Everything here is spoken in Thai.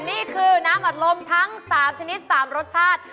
นี่คือน้ำอัดลมทั้ง๓ชนิด๓รสชาติ